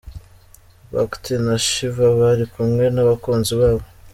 Bac-t na Shiva bari kumwe n’abakunzi babo.